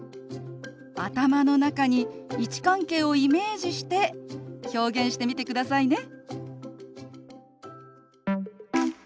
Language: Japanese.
頭の中に位置関係をイメージして表現してみてくださいね。